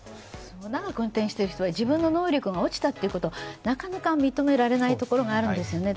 長く運転している人は、自分が運転能力が落ちたことをなかなか認められないところがあるんですよね。